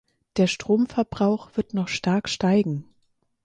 Der Stromverbrauch wird noch stark steigen.